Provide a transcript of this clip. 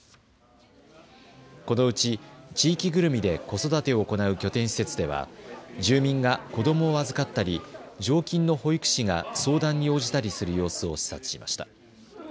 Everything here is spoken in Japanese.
このうち地域ぐるみで子育てを行う拠点施設では住民が子どもを預かったり、常勤の保育士が相談に応じたりする様子を視察しました。